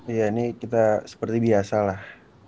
iya ini kita seperti biasa lah